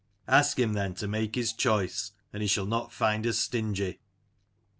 Ask him then to make his choice, and he shall not find us stingy."